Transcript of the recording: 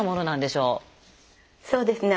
そうですね